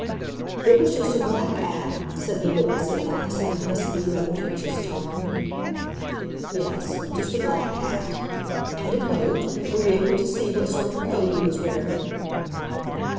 "It was just a black 'at" said the witness at last, in a husky, rather anxious tone. "Yes—just a black hat. And a coat—were you able to see what sort of a coat he was wearing?"